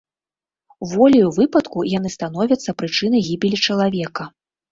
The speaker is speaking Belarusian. Воляю выпадку яны становяцца прычынай гібелі чалавека.